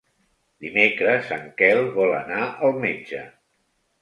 Dimecres en Quel vol anar al metge.